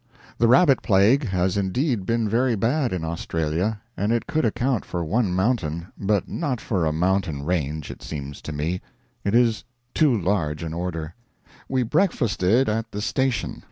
The rabbit plague has indeed been very bad in Australia, and it could account for one mountain, but not for a mountain range, it seems to me. It is too large an order. We breakfasted at the station.